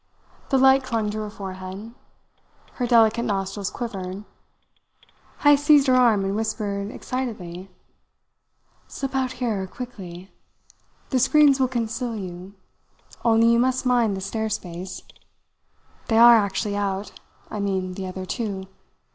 The light clung to her forehead. Her delicate nostrils quivered. Heyst seized her arm and whispered excitedly: "Slip out here, quickly! The screens will conceal you. Only you must mind the stair space. They are actually out I mean the other two.